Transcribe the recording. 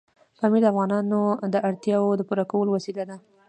پامیر د افغانانو د اړتیاوو د پوره کولو وسیله ده.